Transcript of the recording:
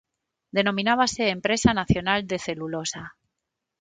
Denominábase Empresa Nacional de Celulosa.